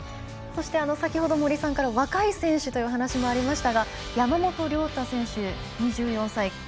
そして先ほど森さんから若い選手というお話もありましたが山本涼太選手、２４歳。